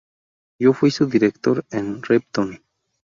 Yo fui su director en Repton.